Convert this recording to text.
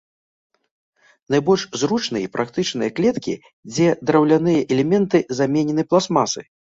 Найбольш зручныя і практычныя клеткі, дзе драўляныя элементы заменены пластмасай.